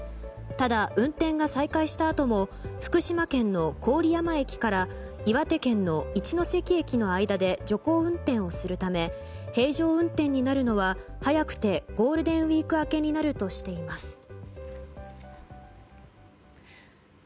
ただ、運転が再開したあとも福島県の郡山駅から岩手県の一ノ関駅間で徐行運転をするため平常運転になるのは早くてゴールデンウィーク明けになるとしています。